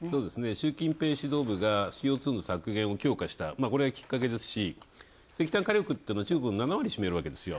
習近平指導部がＣＯ２の削減を強化した、これがきっかけですし、石炭火力って中国は７割を占めるわけです。